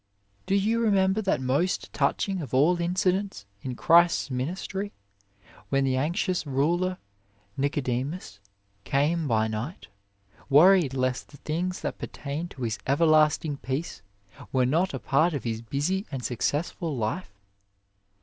Do you remember that most touching of all incidents in Christ s ministry, when the anxious ruler Nicodemus came by night, worried lest the things that pertained to his everlasting peace were not a part of his busy and successful life